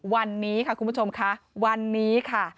วันนี้ค่ะคุณผู้ชมค่ะวันนี้ค่ะ